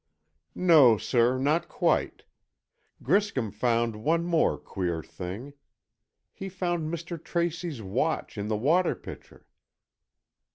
"No, sir, not quite. Griscom found one more queer thing. He found Mr. Tracy's watch in the water pitcher."